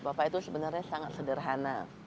bapak itu sebenarnya sangat sederhana